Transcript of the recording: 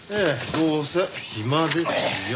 どうせ暇ですよ。